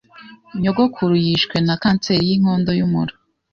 Nyogokuru yishwe na kanseri y’inkondo y’umura.